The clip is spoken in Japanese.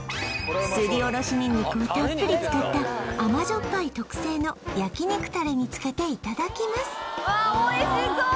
すりおろしニンニクをたっぷり使った甘じょっぱい特製の焼肉タレにつけていただきます